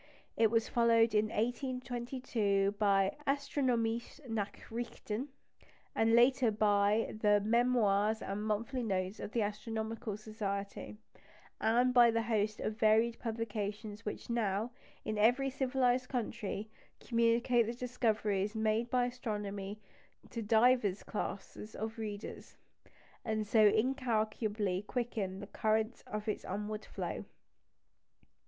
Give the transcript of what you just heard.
It was followed in 1822 by the Astronomische Nachrichten, later by the Memoirs and Monthly Notices of the Astronomical Society, and by the host of varied publications which now, in every civilised country, communicate the discoveries made in astronomy to divers classes of readers, and so incalculably quicken the current of its onward flow.